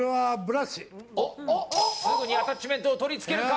すぐにアタッチメントを取り付けるか。